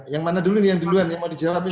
yang mana dulu nih yang duluan yang mau dijawabin